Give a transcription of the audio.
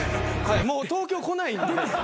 もう東京来ないんで。